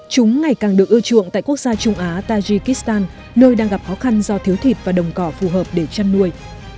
chúng ngày càng được ưa chuộng tại quốc gia trung á tajikistan nơi đang gặp khó khăn do thiếu thịt và đồng cỏ phù hợp để chăn nuôi